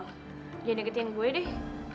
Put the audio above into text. jangan deketin gue deh